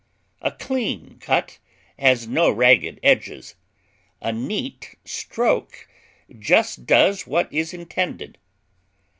A clean cut has no ragged edges; a neat stroke just does what is intended.